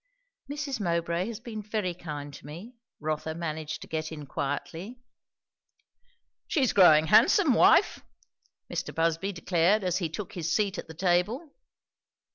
"Mrs. Mowbray has been very kind to me," Rotha managed to get in quietly. "She's growing handsome, wife!" Mr. Busby declared as he took his seat at the table.